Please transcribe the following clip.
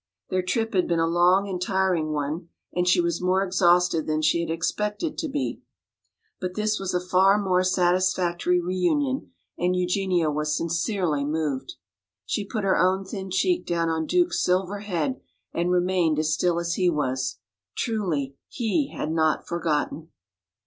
Their trip had been a long and tiring one and she was more exhausted than she had expected to be. But this was a far more satisfactory reunion and Eugenia was sincerely moved. She put her own thin cheek down on Duke's silver head and remained as still as he was. Truly he had not forgotten!